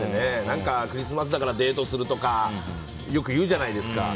クリスマスだからデートするとかよくいうじゃないですか。